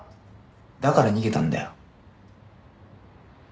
だから逃げたんだよ。